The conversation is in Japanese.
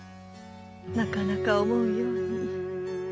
なかなか思うように。